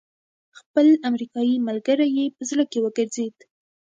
خپل امريکايي ملګری يې په زړه کې وګرځېد.